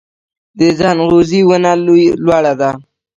د ځنغوزي ونه لوړه ده